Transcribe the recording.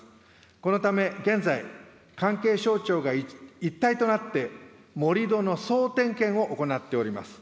このため現在、関係省庁が一体となって、盛土の総点検を行っております。